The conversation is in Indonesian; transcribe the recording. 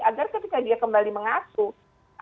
agar ketika dia kembali mengasuh